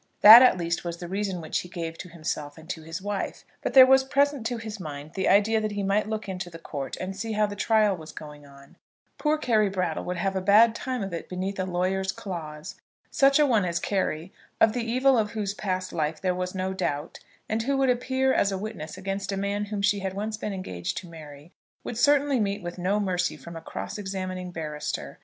That at least was the reason which he gave to himself and to his wife. But there was present to his mind the idea that he might look into the court and see how the trial was going on. Poor Carry Brattle would have a bad time of it beneath a lawyer's claws. Such a one as Carry, of the evil of whose past life there was no doubt, and who would appear as a witness against a man whom she had once been engaged to marry, would certainly meet with no mercy from a cross examining barrister.